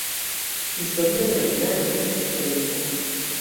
Historio de la vilaĝo estas tre riĉa.